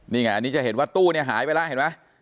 นี่ไงอันนี้จะเห็นว่าตู้เนี่ยหายไปแล้วเห็นไหม